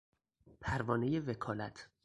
پروانهی وکالت